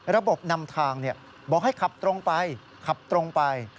ระบบนำทางบอกให้ขับตรงไปขับตรงไป